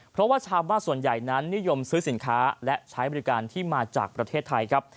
เพราะว่าชาวบ้านส่วนใหญ่นั้นนิยมซื้อสินค้าและใช้บริการที่มาจากประเทศไทยครับ